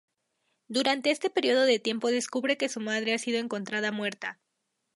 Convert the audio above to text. Durante este periodo de tiempo descubre que su madre ha sido encontrada muerta.